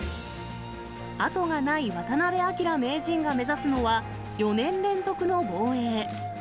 後がない渡辺明名人が目指すのは、４年連続の防衛。